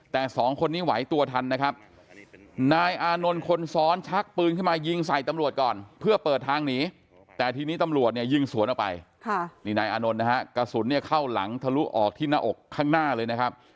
ทีนี้ตำรวจยิงสวนเข้าไปนายอานนท์กระสุนเข้าหลังทะลุออกที่หน้าอกข้างหน้าเลยนะครับ